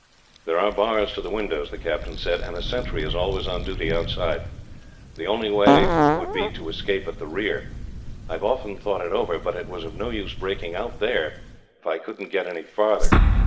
"There are bars to the windows," the captain said, "and a sentry is always on duty outside. The only way would be to escape at the rear. I have often thought it over, but it was of no use breaking out there, if I could not get any farther.